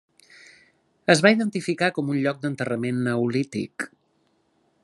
Es va identificar com un lloc d'enterrament neolític.